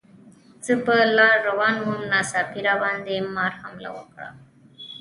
زه په لاره روان وم، ناڅاپي راباندې مار حمله وکړه.